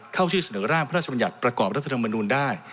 เข้าชื่อเสนอร่างพระราชบัญญัติประกอบรัฐธรรมนูลได้